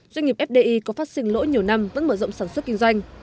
doanh nghiệp fdi có phát sinh lỗi nhiều năm vẫn mở rộng sản xuất kinh doanh